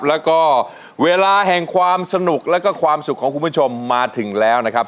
แล้วก็เวลาแห่งความสนุกแล้วก็ความสุขของคุณผู้ชมมาถึงแล้วนะครับ